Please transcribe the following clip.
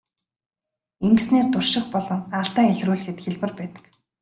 Ингэснээр турших болон алдаа илрүүлэхэд хялбар байдаг.